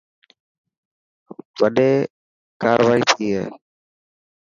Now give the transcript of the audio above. وڏي ڪارورائي ٿي هي.